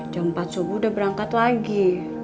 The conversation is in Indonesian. jam empat subuh udah berangkat lagi